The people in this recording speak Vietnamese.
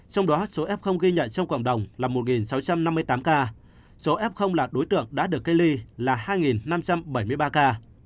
trong đó số f ghi nhận trong cộng đồng là một sáu trăm năm mươi tám ca số f là đối tượng đã được cách ly là hai năm trăm bảy mươi ba ca